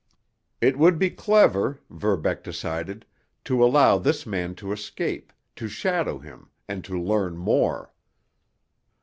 It would be clever, Verbeck decided, to allow this man to escape, to shadow him, and to learn more.